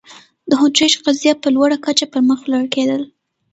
د هونټریج قضیه په لوړه کچه پر مخ وړل کېده.